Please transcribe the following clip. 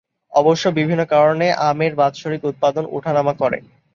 অবশ্য বিভিন্ন কারণে আমের বাৎসরিক উৎপাদন ওঠানামা করে।